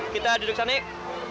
kita duduk sana yuk